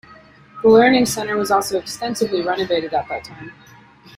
The Learning Center was also extensively renovated at that time.